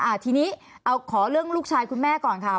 อาทีนี้ขอเรื่องลูกชายคุณแม่ก่อนครับ